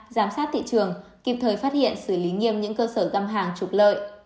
giám sát thị trường kịp thời phát hiện xử lý nghiêm những cơ sở găm hàng trục lợi